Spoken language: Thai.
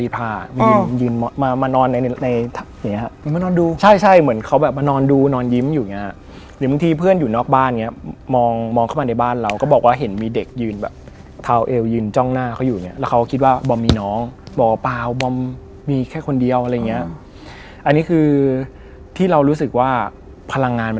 ผมจะถามทุกคนเลยครับ